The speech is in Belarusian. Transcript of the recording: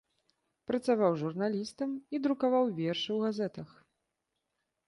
Працаваў журналістам і друкаваў вершы ў газетах.